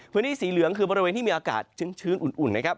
พื้นที่สีเหลืองคือบริเวณที่มีอากาศชื้นอุ่นนะครับ